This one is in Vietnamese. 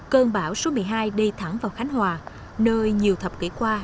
cơn bão số một mươi hai đi thẳng vào khánh hòa nơi nhiều thập kỷ qua